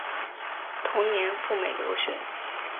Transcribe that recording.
同年赴美留学。